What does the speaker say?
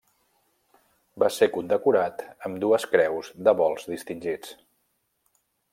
Va ser condecorat amb dues Creus dels Vols Distingits.